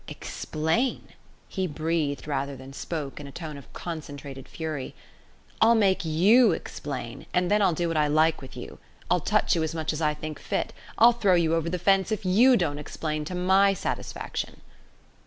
"Explain!" he breathed rather than spoke, in a tone of concentrated fury. "I'll make you explain, and I'll do what I like with you. I'll touch you as much as I think fit. I'll throw you over the fence if you don't explain to my satisfaction."